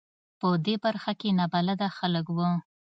په دې برخه کې نابلده خلک و.